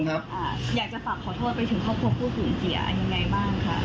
อยากจะฝากขอโทษไปถึงครอบครัวผู้สูญเสียยังไงบ้างคะ